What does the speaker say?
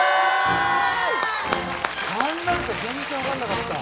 全然わかんなかった。